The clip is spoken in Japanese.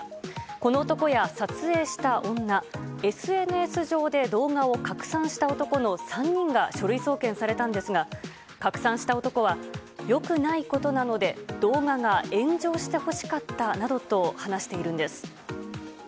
この男や撮影した女ＳＮＳ上で動画を拡散した男の３人が書類送検されたんですが拡散した男は良くないことなので動画が炎上してほしかったなどと話しているんです。